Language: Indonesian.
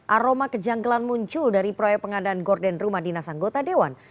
aroma kejanggelan muncul dari proyek pengadaan gordon rumah dinasanggota dewan